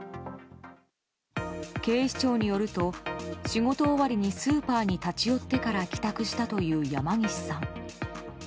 警視庁によると、仕事終わりにスーパーに立ち寄ってから帰宅したという山岸さん。